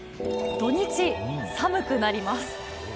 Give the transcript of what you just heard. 土日寒くなります。